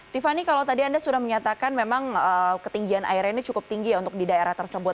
tiffany kalau tadi anda sudah menyatakan memang ketinggian airnya ini cukup tinggi ya untuk di daerah tersebut